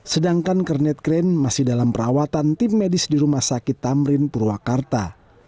sedangkan kernet kren masih dalam perawatan tim medis di rumah sakit tamrin purwakarta